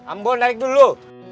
ambo naik dulu